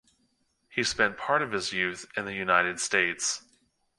He spent part of his youth in the United States.